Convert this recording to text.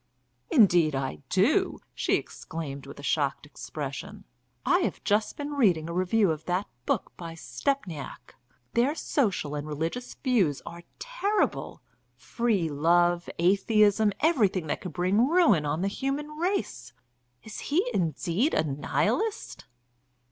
"Indeed I do," she exclaimed with a shocked expression. "I have just been reading a review of that book by Stepniak. Their social and religious views are terrible; free love, atheism, everything that could bring ruin on the human race. Is he indeed a Nihilist?"